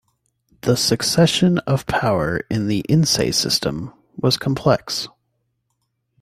The succession of power in the "Insei" system was complex.